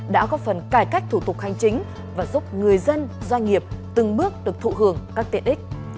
đã có phần cải cách thủ tục hành chính và giúp người dân doanh nghiệp từng bước được thụ hưởng các tiện ích